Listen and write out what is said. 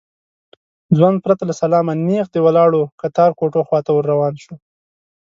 ځوان پرته له سلامه نېغ د ولاړو کتار کوټو خواته ور روان شو.